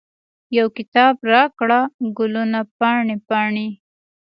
یو کتاب راکړه، ګلونه پاڼې، پاڼې